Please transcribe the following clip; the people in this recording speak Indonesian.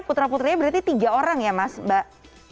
putra putranya berarti tiga orang ya mas mbak